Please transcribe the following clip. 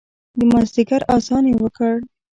د مازدیګر اذان یې وکړو